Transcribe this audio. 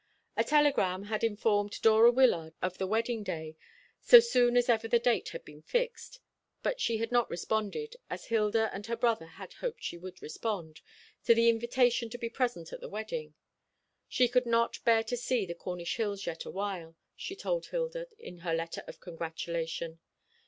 A telegram had informed Dora Wyllard of the wedding day, so soon as ever the date had been fixed, but she had not responded, as Hilda and her brother had hoped she would respond, to the invitation to be present at the wedding. She could not bear to see the Cornish hills yet awhile, she told Hilda, in her letter of congratulation.